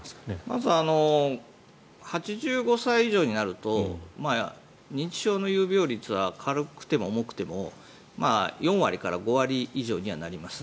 まず、８５歳以上になると認知症の有病率は軽くても重くても４割から５割以上にはなります。